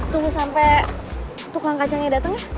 tunggu sampe tukang kacangnya dateng ya